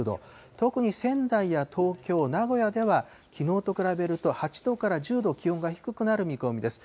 特に仙台や東京、名古屋では、きのうと比べると８度から１０度、気温が低くなる見込みです。